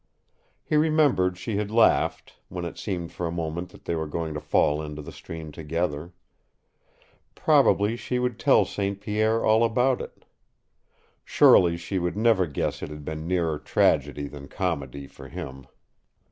He remembered she had laughed, when it seemed for a moment that they were going to fall into the stream together. Probably she would tell St. Pierre all about it. Surely she would never guess it had been nearer tragedy than comedy for him.